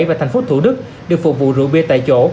các quận bảy và thành phố thủ đức được phục vụ rượu bia tại chỗ